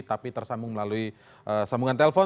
tapi tersambung melalui sambungan telepon